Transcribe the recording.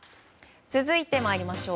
続いてまいりましょう。